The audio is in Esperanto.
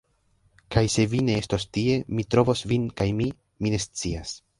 Kaj se vi ne estos tie, mi trovos vin kaj mi… mi ne scias.